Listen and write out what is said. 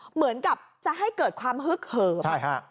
เหมือนกับจะให้เกิดความฮึกเหิม